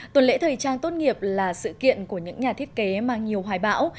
tuần lễ thời trang tốt nghiệp là sự kiện của những nhà thiết kế mang nhiều hoài bão